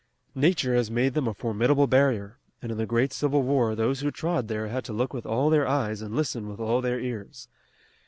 Nature has made them a formidable barrier, and in the great Civil War those who trod there had to look with all their eyes and listen with all their ears.